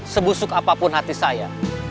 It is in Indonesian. sebusuk apapun hati saya